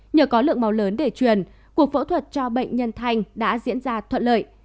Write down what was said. nhờ có lượng máu lớn để truyền cuộc phẫu thuật cho bệnh nhân thanh đã diễn ra thuận lợi